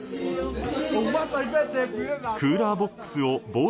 クーラーボックスをボート